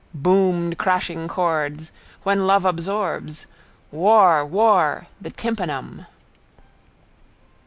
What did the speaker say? Boomed crashing chords. When love absorbs. War! War! The tympanum.